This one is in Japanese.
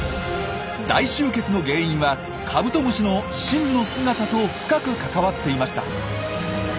大集結の原因はカブトムシの真の姿と深く関わっていました。